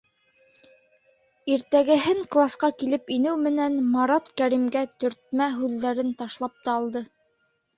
Иртәгеһен класҡа килеп инеү менән, Марат Кәримгә төртмә һүҙҙәрен ташлап та алды: